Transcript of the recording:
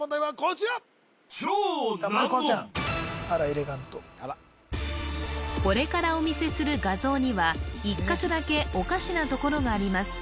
エレガントこれからお見せする画像には１か所だけおかしなところがあります